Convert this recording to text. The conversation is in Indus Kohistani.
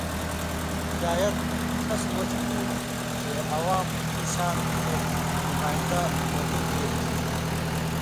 شاید ݜس وجہۡ تھی چے عوام ݜُوشان ایک نمائندہ مُوٹُھو کیریۡ تھی